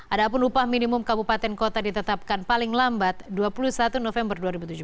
adapun upah minimum kabupaten kota ditetapkan paling lambat dua puluh satu november dua ribu tujuh belas